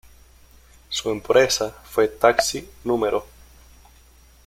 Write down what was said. Su empresa fue Taxi No.